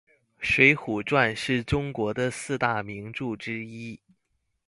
水浒传是中国的四大名著之一。